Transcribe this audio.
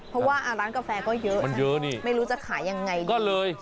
เพราะว่าร้านกาแฟก็เยอะนะไม่รู้จะขายยังไงดี